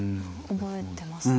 覚えてますね。